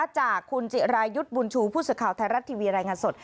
จากคุณจิรายุทธ์บุญชูผู้สื่อข่าวไทยรัฐทีวีรายงานสด